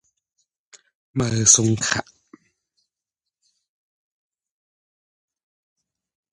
The District has renovated many of its schools and built some entirely new facilities.